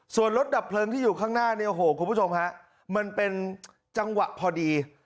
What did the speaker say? ส่วนรถดับเพลิงที่อยู่ข้างหน้าเนี่ยโอ้โหคุณผู้ชมฮะมันเป็นจังหวะพอดี